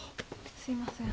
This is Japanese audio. すいません。